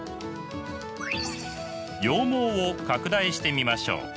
羊毛を拡大してみましょう。